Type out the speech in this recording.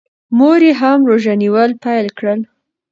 مور یې هم روژه نیول پیل کړل.